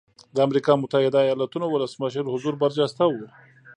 د امریکا متحده ایالتونو ولسمشر حضور برجسته و.